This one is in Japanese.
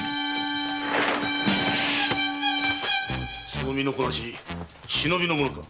その身のこなし忍びの者だな？